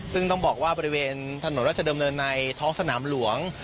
ซึ่งต้องบอกว่าบริเวณถนนราชดำเนินในท้องสนามหลวง